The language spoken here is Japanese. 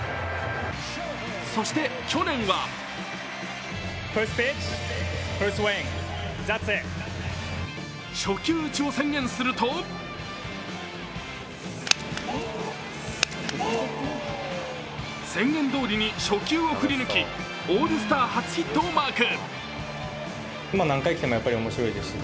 そして去年は初球打ちを宣言すると宣言どおりに初球を振り抜きオールスター初ヒットをマーク。